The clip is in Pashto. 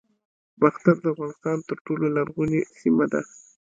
باختر د افغانستان تر ټولو لرغونې سیمه ده